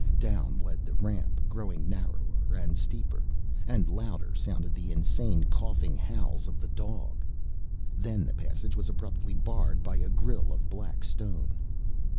Down led the ramp, growing narrower and steeper. And louder sounded the insane, coughing howls of the dog. Then the passage was abruptly barred by a grill of black stone.